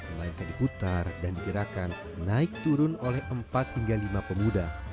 melainkan diputar dan digerakkan naik turun oleh empat hingga lima pemuda